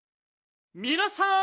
みなさん！